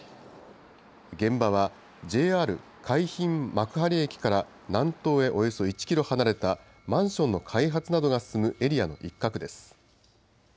現場はＪＲ海浜幕張駅から南東へおよそ１キロ離れたマンションの開発などが進むエリアの一角です。